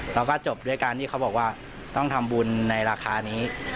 แล้วก็จบด้วยการที่เขาบอกว่าต้องทำบุญในราคานี้